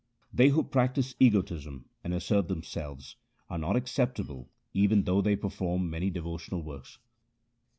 They who practise egotism and assert themselves, 1 Are not acceptable even though they perform many devotional works.